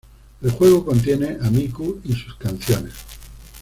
El juego contiene a Miku y sus canciones.